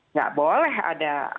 nggak boleh ada